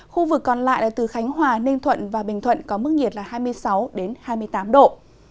khu vực còn lại là từ khánh hòa ninh thuận và bình thuận có mức nhiệt là hai mươi sáu hai mươi tám độ